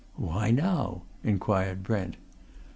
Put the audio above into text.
"Why, now?" inquired Brent.